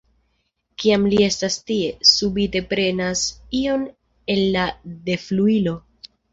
Kiam li estas tie, subite prenas ion el la defluilo.